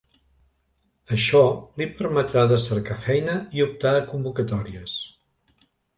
Això li permetrà de cercar feina i optar a convocatòries.